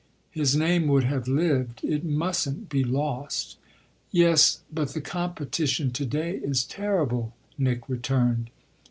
"His name would have lived it mustn't be lost." "Yes, but the competition to day is terrible," Nick returned.